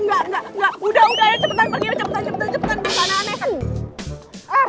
enggak enggak udah udah cepetan pergi cepetan cepetan cepetan